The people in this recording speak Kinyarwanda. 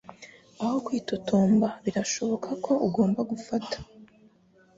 Aho kwitotomba, birashoboka ko ugomba gufasha.